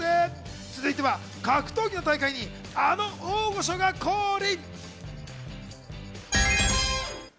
続いては格闘技の大会にあの大御所が降臨。